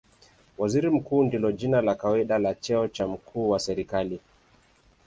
Waziri Mkuu ndilo jina la kawaida la cheo cha mkuu wa serikali.